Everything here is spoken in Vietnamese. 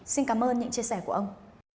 xin cảm ơn những chia sẻ của ông